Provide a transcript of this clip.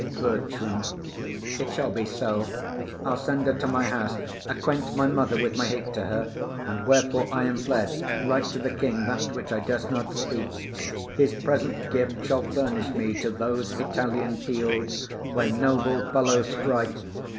BERTRAM. It shall be so; I'll send her to my house, Acquaint my mother with my hate to her, And wherefore I am fled; write to the king That which I durst not speak. His present gift Shall furnish me to those Italian fields Where noble fellows strike.